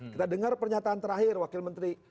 kita dengar pernyataan terakhir wakil menteri